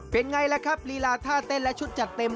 เป็นไงล่ะครับลีลาท่าเต้นและชุดจัดเต็ม